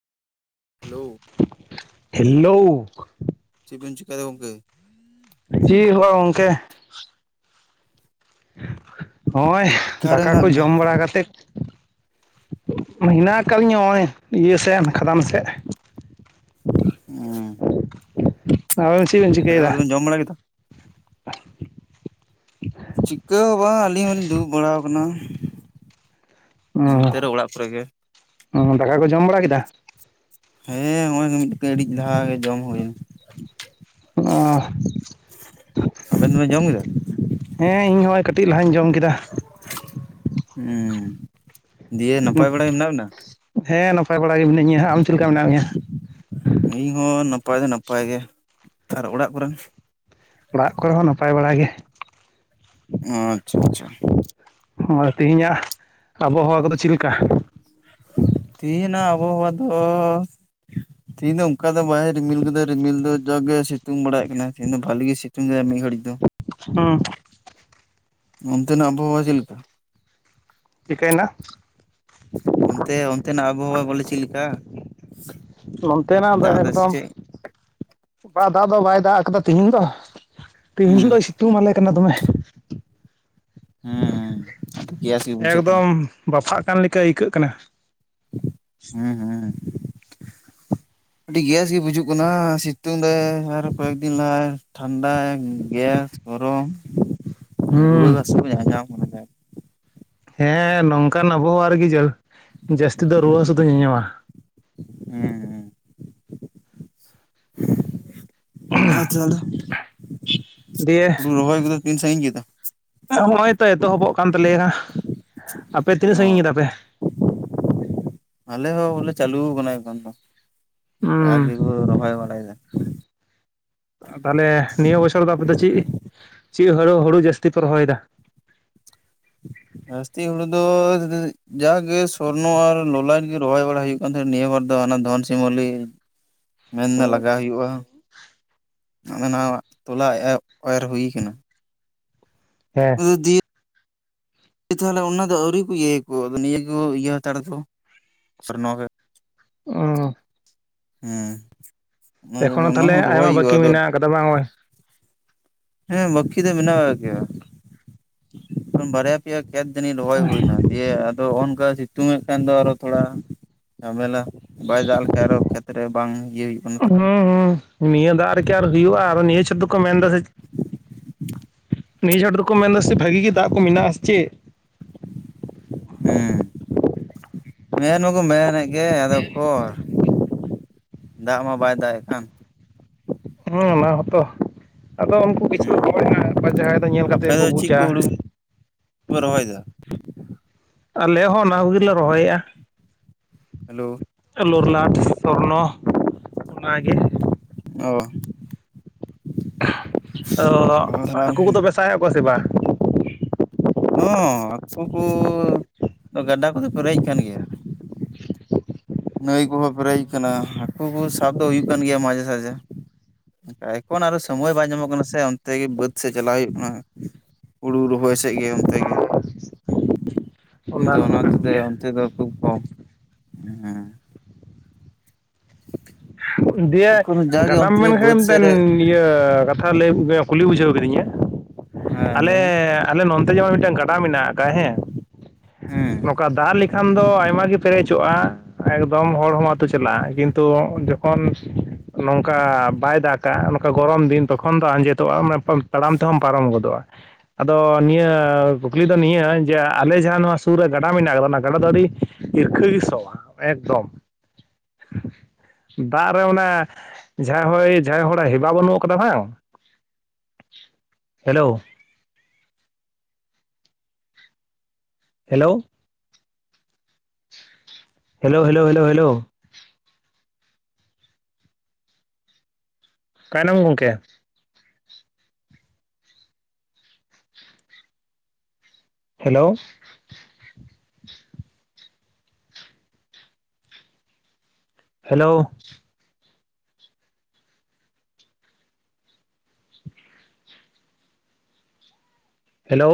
Hello. Hello. ᱪᱮᱜ ᱵᱤᱱ ᱪᱤᱠᱟᱹᱭ ᱫᱟ ᱜᱚᱢᱠᱮ? ᱪᱮᱫ ᱦᱚᱸ ᱵᱟᱝ ᱜᱚᱢᱠᱮ᱾ ᱦᱚᱜ-ᱚᱭ ᱚᱠᱟᱨᱮ ᱫᱟᱠᱟ ᱠᱚ ᱢᱮᱱᱟᱜ ᱵᱤᱱᱟ? ᱡᱚᱢ ᱵᱟᱲᱟ ᱠᱟᱛᱮᱫ ᱦᱮᱱᱟᱜ ᱟᱠᱟᱫ ᱞᱤᱧᱟ ᱦᱚᱜ-ᱚᱭ ᱤᱭᱟᱹ ᱥᱮᱱ ᱠᱷᱟᱫᱟᱱ ᱥᱮᱫ [unintelligible] ᱟᱹᱵᱤᱱ ᱫᱚ ᱪᱮᱫ ᱵᱤᱱ ᱪᱤᱠᱟᱹᱭ ᱫᱟᱠᱟ ᱫᱟ? ᱠᱚᱫᱚᱵᱮᱱ ᱡᱚᱢ ᱵᱟᱲᱟ ᱠᱮᱫᱟᱢ? ᱪᱤᱠᱟᱹ ᱦᱚᱸ ᱵᱟᱝ ᱟᱹᱞᱤᱧ ᱦᱚᱞᱤᱧ ᱫᱩᱲᱩᱵ ᱵᱟᱲᱟᱣ ᱠᱟᱱᱟ᱾ ᱱᱚᱛᱮ ᱨᱮ ᱚᱲᱟᱜ ᱠᱚᱨᱮ ᱜᱮ᱾ ᱚ ᱫᱟᱠᱟ ᱠᱚ ᱡᱚᱢ ᱵᱟᱲᱟ ᱠᱮᱫᱟ? ᱦᱮᱸ ᱦᱚᱜ-ᱚᱭ ᱜᱚᱢᱠᱮ ᱠᱟᱹᱴᱤᱡ ᱞᱟᱦᱟ ᱜᱮ ᱡᱚᱢ ᱦᱩᱭ ᱱᱟ᱾ ᱚ ᱟᱹᱵᱤᱱ ᱫᱚᱵᱤᱱ ᱡᱚᱢ ᱠᱮᱫᱟ? ᱦᱮᱸ ᱤᱧ ᱦᱚᱸ ᱠᱟᱹᱴᱤᱡ ᱞᱟᱦᱟᱧ ᱡᱚᱢ ᱠᱮᱫᱟ᱾ ᱦᱮᱸ, ᱫᱤᱭᱮ ᱱᱟᱯᱟᱭ ᱵᱟᱲᱟ ᱜᱮ ᱢᱮᱱᱟᱜ ᱵᱤᱱᱟ? ᱦᱮᱸ ᱱᱟᱯᱟᱭ ᱵᱟᱲᱟ ᱜᱮ ᱢᱤᱱᱟᱹᱧᱟ᱾ ᱟᱢ ᱪᱮᱫ ᱞᱮᱠᱟ ᱢᱮᱱᱟᱜ ᱢᱮᱭᱟ? ᱤᱧ ᱦᱚᱸ ᱱᱟᱯᱟᱭ ᱫᱚ ᱱᱟᱯᱟᱭ ᱜᱮ᱾ ᱟᱨ ᱚᱲᱟᱜ ᱠᱚᱨᱮᱱ? ᱚᱲᱟᱜ ᱠᱚᱨᱮ ᱦᱚᱸ ᱱᱟᱯᱟᱭ ᱵᱟᱲᱟ ᱜᱮ᱾ ᱚ ᱟᱪᱪᱷᱟ ᱟᱪᱪᱷᱟ᱾ ᱦᱳᱭ, ᱛᱮᱦᱮᱧᱟᱜ ᱟᱵᱚᱦᱟᱣᱟ ᱠᱚᱫᱚ ᱪᱮᱫ ᱞᱮᱠᱟ? ᱛᱤᱦᱤᱱᱟᱜ ᱟᱵᱚᱦᱟᱣᱟ ᱫᱚ ᱛᱮᱦᱮᱧ ᱫᱚ ᱚᱱᱠᱟ ᱫᱚ ᱵᱟᱭ ᱨᱤᱢᱤᱞ ᱠᱟᱫᱟᱭ ᱨᱤᱢᱤᱞ ᱫᱚ ᱡᱟ ᱜᱮ ᱥᱤᱛᱩᱝ ᱵᱟᱲᱟᱭᱮᱫ ᱠᱟᱱᱟᱭ᱾ ᱛᱤᱦᱤᱧ ᱵᱷᱟᱞᱤ ᱜᱮ ᱥᱤᱛᱩᱝ ᱫᱟᱭ ᱢᱤᱫ ᱜᱷᱟᱹᱲᱤᱡ ᱫᱚ᱾ ᱦᱩᱸ᱾ ᱚᱱᱛᱮᱱᱟᱜ ᱟᱵᱚᱦᱟᱣᱟ ᱪᱮᱫ ᱞᱮᱠᱟ? ᱪᱤᱠᱟᱹᱭᱮᱱᱟ? ᱚᱱᱛᱮ ᱚᱱᱛᱮᱱᱟᱜ ᱟᱵᱚᱦᱟᱣᱟ ᱵᱚᱞᱮ ᱪᱮᱫ ᱞᱮᱠᱟ? ᱱᱚᱱᱛᱮᱱᱟᱜ ᱫᱚ ᱫᱟᱜ ᱮᱫᱟᱭ ᱥᱮ ᱮᱠᱫᱚᱢ ᱪᱮᱫ? ᱵᱟ ᱫᱟᱜ ᱫᱚ ᱵᱟᱭ ᱫᱟᱜ ᱠᱟᱫᱟ ᱛᱤᱦᱤᱧ ᱫᱚ᱾ ᱛᱤᱦᱤᱧ ᱦᱩᱸ ᱫᱚᱭ ᱥᱤᱛᱩᱝ ᱟᱞᱮ ᱠᱟᱱᱟ ᱫᱚᱢᱮ᱾ ᱦᱩᱸ ᱾ ᱮᱠᱫᱚᱢ ᱵᱟᱯᱷᱟᱜ ᱠᱟᱱ ᱞᱮᱠᱟ ᱟᱹᱭᱠᱟᱹᱜ ᱠᱟᱱᱟ᱾ ᱦᱮᱸ ᱦᱮᱸ᱾ ᱟᱹᱰᱤ ᱜᱮᱥ ᱜᱮ ᱵᱩᱡᱩᱜ ᱠᱟᱱᱟ ᱥᱤᱛᱩᱝ ᱫᱟᱭ ᱟᱨ ᱠᱚᱭᱮᱠ ᱫᱤᱱ ᱞᱟᱦᱟᱭ ᱴᱷᱟᱱᱰᱟᱭ ᱜᱮᱥ ᱜᱚᱨᱚᱢ᱾ ᱦᱩᱸ᱾ ᱨᱩᱣᱟᱹ ᱜᱮ ᱦᱟᱹᱥᱩ ᱠᱚ ᱧᱟᱧᱟᱢ ᱜᱮᱭᱟ᱾ ᱦᱮᱸ ᱱᱚᱝᱠᱟᱱ ᱟᱵᱚᱦᱟᱣᱟ ᱨᱮᱜᱮ ᱡᱟᱹ ᱡᱟᱹᱥᱛᱤ ᱫᱚ ᱨᱩᱣᱟᱹ ᱦᱟᱹᱥᱩ ᱫᱚ ᱧᱟᱧᱟᱢᱟ᱾ ᱦᱮᱸ ᱦᱮᱸ᱾ ᱟᱪᱪᱷᱟ‌ ᱟᱞᱮᱟ ᱫᱚ ᱫᱤᱭᱮ ᱨᱚᱦᱚᱭ ᱠᱚᱫᱚ ᱛᱤᱱ ᱥᱟᱺᱭᱤᱧ ᱠᱮᱫᱟ? ᱦᱚᱸᱜ-ᱚᱭ ᱛᱚ ᱮᱛᱚᱦᱚᱵᱚᱜ ᱠᱟᱱ ᱛᱟᱞᱮᱭᱟ᱾ ᱟᱯᱮ ᱛᱤᱱᱟᱹᱜ ᱚ ᱥᱟᱺᱜᱤᱧ ᱠᱮᱫᱟ ᱯᱮ? ᱟᱞᱮ ᱦᱚᱸ ᱵᱚᱞᱮ ᱪᱟᱞᱩᱣ ᱠᱟᱱᱟ ᱮᱠᱷᱚᱱ ᱫᱚ᱾ᱡᱟ ᱦᱩᱸ ᱜᱮᱠᱚ ᱨᱚᱦᱚᱭ ᱵᱟᱲᱟᱭᱮᱫᱟ᱾ ᱛᱟᱦᱚᱞᱮ ᱱᱤᱭᱟᱹ ᱵᱚᱪᱷᱚᱨ ᱫᱚ ᱟᱯᱮ ᱫᱚ ᱪᱮᱫ ᱪᱮᱫ ᱦᱳᱲᱳ ᱦᱩᱲᱩ ᱡᱟᱹᱥᱛᱤ ᱯᱮ ᱨᱚᱦᱚᱭᱮᱫᱟ? ᱡᱟᱹᱥᱛᱤ ᱦᱩᱲᱩ ᱫᱚ ᱡᱟᱜᱮ ᱥᱚᱨᱱᱚ ᱟᱨ ᱞᱚᱞᱟᱴ ᱜᱮ ᱨᱚᱦᱚᱭ ᱵᱟᱲᱟ ᱦᱩᱭᱩᱜ ᱟᱫᱚ ᱱᱤᱭᱟᱹ ᱵᱟᱨ ᱫᱚ ᱦᱟᱱᱟ ᱫᱷᱚᱱ ᱥᱤᱢᱚᱞᱤ ᱢᱮᱱ ᱫᱚ ᱞᱟᱜᱟᱣ ᱦᱩᱭᱩᱜ-ᱟ᱾ ᱦᱟᱱᱟ ᱱᱟᱣᱟ ᱛᱚᱞᱟ ᱮᱨ ᱦᱩᱭ ᱠᱟᱱᱟ᱾ ᱦᱮᱸ [unintelligible] ᱮ ᱛᱟᱦᱚᱞᱮ ᱚᱱᱟ ᱫᱚ ᱟᱹᱣᱨᱤ ᱠᱚ ᱤᱭᱟᱹᱭᱟᱠᱚ ᱟᱫᱚ ᱱᱤᱭᱟᱹ ᱜᱮᱠᱚ ᱤᱭᱟᱹ ᱦᱟᱛᱟᱲ ᱟᱛᱠᱚ ᱥᱚᱨᱱᱚ ᱜᱮ᱾ ᱚ ᱦᱮᱸ᱾ ᱟᱫᱚ ᱮᱠᱷᱚᱱᱚ ᱚᱱᱟ ᱛᱟᱦᱚᱞᱮ ᱦᱚᱸ ᱟᱭᱢᱟ ᱨᱚᱦᱚᱭ ᱵᱟᱹᱠᱤ ᱦᱩᱭᱩᱜᱼᱟ ᱟᱫᱚ ᱢᱮᱱᱟᱜ ᱟᱠᱟᱫᱟ ᱵᱟᱝ ᱦᱚᱸᱜ-ᱚᱭ᱾ ᱦᱮᱸ ᱵᱟᱠᱤ ᱫᱚ ᱢᱮᱱᱟᱜ ᱟᱠᱟᱫ ᱜᱮᱭᱟ, ᱵᱟᱨᱭᱟ ᱯᱮᱭᱟ ᱠᱷᱮᱛ ᱡᱟᱱᱤᱡ ᱨᱚᱦᱚᱭ ᱦᱩᱭᱮᱱᱟ᱾ ᱫᱤᱭᱮ ᱟᱫᱚ ᱚᱱᱠᱟ ᱥᱤᱛᱩᱝ-ᱮᱫ ᱠᱷᱟᱱ ᱫᱚ ᱟᱨᱚ ᱛᱷᱚᱲᱟ ᱡᱷᱟᱢᱮᱞᱟ᱾ ᱵᱟᱭ ᱫᱟᱜ ᱞᱮᱠᱷᱟᱱᱡ ᱟᱨᱚ ᱠᱷᱮᱛᱨᱮ ᱵᱟᱝ ᱤᱭᱟᱹ ᱦᱩᱭᱩᱜ ᱠᱟᱱᱟ᱾ ᱦᱩᱸ ᱦᱩᱸ᱾ ᱱᱤᱭᱟᱹ ᱫᱟᱜ ᱨᱮᱠᱤ ᱟᱨ ᱦᱩᱭᱩᱜ-ᱟ, ᱟᱨᱚ ᱱᱤᱭᱟᱹ ᱪᱷᱟᱹᱛᱩ ᱠᱚ ᱢᱮᱱᱫᱟ ᱥᱮ ᱱᱤᱭᱟᱹ ᱡᱷᱟᱴ ᱫᱚᱠᱚ ᱢᱮᱱ ᱮᱫᱟ ᱥᱮᱪᱮᱫ ᱵᱷᱟᱹᱜᱤ ᱜᱮ ᱫᱟᱜ ᱠᱚ ᱢᱮᱱᱟᱜᱼᱟ ᱥᱮ ᱪᱮᱫ᱾ ᱦᱩᱸ᱾ ᱦᱮᱸ ᱱᱚᱣᱟ ᱠᱚ ᱢᱮᱱᱮᱫ ᱜᱮ ᱟᱫᱚ ᱚᱠᱚᱨ ᱫᱟᱜ ᱢᱟ ᱵᱟᱭ ᱫᱟᱜ ᱮᱫ ᱠᱟᱱ᱾ ᱦᱮᱸ ᱚᱱᱟ ᱦᱚᱸᱛᱚ᱾ ᱟᱫᱚ ᱩᱱᱠᱩ ᱠᱤᱪᱷᱩ ᱦᱮᱸ ᱦᱚᱲ ᱦᱮᱱᱟᱜ ᱠᱚᱣᱟ ᱡᱟᱦᱟᱸᱭ ᱫᱚ ᱧᱮᱞ ᱠᱟᱛᱮᱫ ᱟᱯᱮ ᱜᱮ ᱠᱚ ᱫᱚ ᱪᱮᱫ ᱵᱩᱡᱟ᱾ ᱦᱩᱲᱩ ᱯᱮ ᱨᱚᱦᱚᱭᱮᱫᱟ? ᱟᱞᱮ ᱦᱚᱸ ᱚᱱᱟ ᱠᱚᱜᱮᱞᱮ ᱨᱚᱦᱚᱭᱮᱫ-ᱟ᱾ ᱦᱮᱞᱳ ᱞᱚᱨᱞᱟᱴ, ᱥᱚᱨᱱᱚ ᱚᱱᱟᱜᱮ᱾ ᱚ᱾ ᱚ ᱦᱚᱸ ᱦᱟᱹᱠᱩ ᱠᱚᱫᱚ ᱯᱮ ᱥᱟᱭᱮᱫ ᱠᱚᱣᱟ ᱥᱮ ᱵᱟᱝ? ᱦᱚᱸ ᱦᱟᱹᱠᱩ ᱠᱚ ᱜᱟᱰᱟ ᱠᱚᱫᱚ ᱯᱮᱨᱮᱡ ᱟᱠᱟᱱ ᱜᱮᱭᱟ᱾ ᱱᱟᱹᱭ ᱠᱚᱦᱚᱸ ᱯᱮᱨᱮᱡ ᱟᱠᱟᱱᱟ, ᱦᱟᱹᱠᱩ ᱠᱚ ᱥᱟᱵ ᱫᱚ ᱦᱩᱭᱩᱜ ᱠᱟᱱ ᱜᱮᱭᱟ ᱢᱟᱡᱷᱮ ᱥᱟᱡᱷᱮ᱾ ᱮᱠᱷᱚᱱ ᱟᱨᱚ ᱥᱚᱢᱚᱭ ᱵᱟᱭ ᱧᱟᱢᱚᱜ ᱠᱟᱱᱟ ᱥᱮ ᱚᱱᱛᱮ ᱜᱮ ᱵᱟᱹᱫ ᱥᱮᱫ ᱪᱟᱞᱟᱣ ᱦᱩᱭᱩᱜ ᱠᱟᱱᱟ᱾ ᱦᱩᱲᱩ ᱨᱚᱦᱚᱭ ᱥᱮᱫ ᱜᱮ ᱚᱱᱛᱮ ᱜᱮ᱾ ᱤᱧ ᱫᱚ ᱦᱚᱸ ᱚᱱᱟ ᱠᱟᱱ ᱫᱤᱜ ᱫᱤᱭᱮ ᱜᱮᱭᱟ ᱚᱱᱛᱮ ᱫᱚ ᱠᱷᱩᱵ ᱠᱚᱢ᱾ ᱦᱮᱸ᱾ ᱫᱤᱭᱮ ᱮᱠᱷᱚᱱ ᱡᱟᱜᱮ ᱜᱟᱰᱟᱢ ᱚᱱᱛᱮ ᱢᱮᱱᱠᱷᱟᱡ ᱜᱮ ᱵᱟᱹᱫᱽ ᱥᱮᱫ ᱢᱮᱫᱴᱮᱱ ᱨᱮ ᱤᱭᱟᱹ ᱠᱟᱛᱷᱟ ᱞᱟᱹᱭ ᱠᱩᱞᱤ ᱵᱩᱡᱷᱟᱹᱣ ᱵᱤᱱᱟᱹᱧᱟ᱾ ᱦᱮᱸ ᱞᱟᱹᱭ ᱢᱮ᱾ ᱟᱞᱮ ᱱᱚᱱᱛᱮ ᱡᱮᱢᱚᱱ ᱢᱤᱫᱴᱟᱝ ᱜᱟᱰᱟ ᱢᱮᱱᱟᱜ ᱟᱠᱟᱜ-ᱟ ᱦᱮᱸ᱾ ᱦᱮᱸ ᱚᱱᱠᱟ ᱫᱟᱜ ᱞᱮᱠᱷᱟᱱ ᱫᱚ ᱟᱭᱢᱟ ᱜᱮ ᱯᱮᱨᱮᱡᱚᱜ-ᱟ᱾ ᱮᱠᱫᱚᱢ ᱦᱚᱲ ᱦᱚᱢ ᱟᱹᱛᱩ ᱪᱟᱞᱟᱜ-ᱟ᱾ ᱠᱤᱱᱛᱩ ᱠᱷᱚᱱ ᱱᱚᱝᱠᱟ ᱵᱟᱭ ᱫᱟᱜ-ᱟ, ᱱᱚᱝᱠᱟ ᱜᱚᱨᱚᱢ ᱫᱤᱱ ᱛᱚᱠᱷᱚᱱ ᱫᱚ ᱟᱸᱡᱮᱫᱚᱜ-ᱟ ᱢᱟᱱᱮ ᱛᱟᱲᱟᱢ ᱛᱮᱦᱚᱢ ᱯᱟᱨᱚᱢ ᱜᱚᱫᱚᱜ-ᱟ᱾ ᱟᱫᱚ ᱱᱤᱭᱟᱹ ᱠᱩᱠᱞᱤ ᱫᱚ ᱱᱤᱭᱟᱹ ᱡᱮ ᱟᱞᱮ ᱡᱟᱦᱟᱸ ᱱᱚᱣᱟ ᱥᱩᱨ ᱨᱮ ᱜᱟᱰᱟ ᱢᱮᱱᱟᱜ ᱟᱠᱟᱫᱟ ᱚᱱᱟ ᱜᱟᱰᱟ ᱫᱚ ᱟᱹᱰᱤ ᱦᱤᱨᱠᱷᱟᱹ ᱜᱮ ᱥᱚᱜ-ᱟ, ᱮᱠᱫᱚᱢ᱾ [unintelligible] ᱫᱟᱜ ᱨᱮ ᱚᱱᱟ ᱡᱟᱦᱟᱸ ᱦᱚᱭ ᱡᱟᱦᱟᱸᱭ ᱦᱚᱲᱟᱜ ᱦᱮᱵᱟ ᱵᱟᱹᱱᱩᱜ ᱟᱠᱟᱫᱟ ᱵᱟᱝ, hello, hello, hello hello hello hello, ᱚᱠᱟᱭᱮᱱᱟᱢ ᱜᱚᱢᱠᱮ? Hello, hello, hello